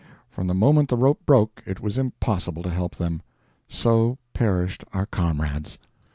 From the moment the rope broke it was impossible to help them. So perished our comrades!